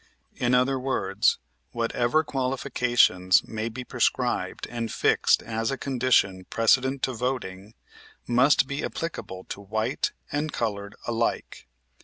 In other words, whatever qualifications may be prescribed and fixed as a condition precedent to voting, must be applicable to white and colored alike.